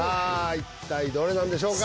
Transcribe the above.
一体どれなんでしょうか